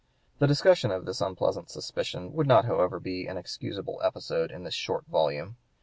The discussion (p. 188) of this unpleasant suspicion would not, however, be an excusable episode in this short volume.